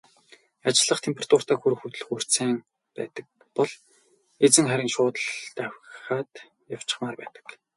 Ажиллах температуртаа хүрэх хөдөлгүүрт сайн байдаг бол эзэн харин шууд л давхиад явчихмаар байдаг.